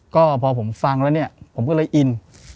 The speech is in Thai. ก็พอผมฟังแล้วเนี่ยผมก็เลยอิน